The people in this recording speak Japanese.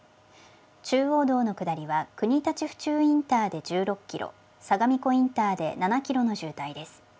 中央道の下りは国立府中インターで１６キロ、相模湖インターで７キロの渋滞です。